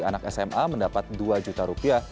anak sma mendapat rp dua